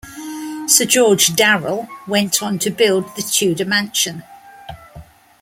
Sir George Darell went on to build the Tudor mansion.